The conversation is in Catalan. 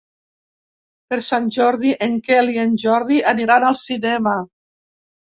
Per Sant Jordi en Quel i en Jordi aniran al cinema.